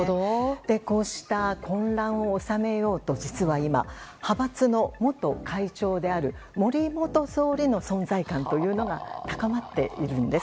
こうした混乱を収めようと実は今、派閥の元会長である森元総理の存在感が高まっているんです。